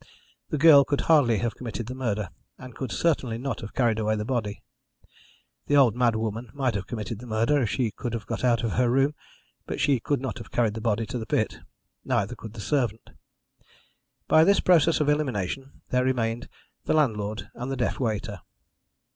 The girl could hardly have committed the murder, and could certainly not have carried away the body. The old mad woman might have committed the murder if she could have got out of her room, but she could not have carried the body to the pit neither could the servant. By this process of elimination there remained the landlord and the deaf waiter.